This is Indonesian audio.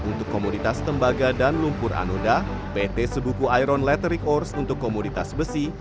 untuk komoditas tembaga dan lumpur anoda pt sebuku iron letterik ore untuk komoditas besi